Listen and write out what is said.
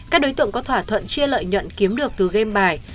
các đối tượng có thỏa thuận chia lợi nhuận kiếm được từ game bài